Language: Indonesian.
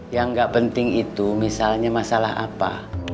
yang gak penting itu misalnya masalah apa